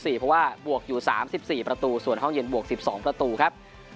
เพราะว่าบวกอยู่๓๔ประตูส่วนห้องเย็นบวก๑๒ประตูครับ